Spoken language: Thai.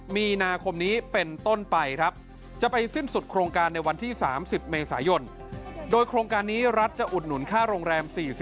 มีนาคมนี้เป็นต้นไปครับจะไปสิ้นสุดโครงการในวันที่๓๐เมษายนโดยโครงการนี้รัฐจะอุดหนุนค่าโรงแรม๔๐